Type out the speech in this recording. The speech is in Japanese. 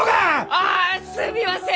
ああすみません！